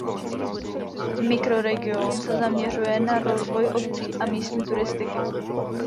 Mikroregion se zaměřuje na rozvoj obcí a místní turistiky.